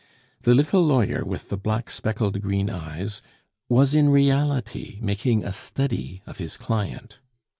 The little lawyer with the black speckled green eyes was in reality making a study of his client.